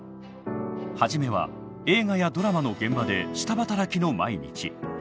初めは映画やドラマの現場で下働きの毎日。